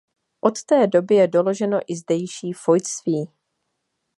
Od té doby je doloženo i zdejší fojtství.